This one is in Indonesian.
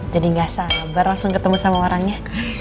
jadi gak sabar langsung ketemu sama orangnya